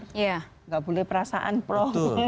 tidak boleh perasaan plong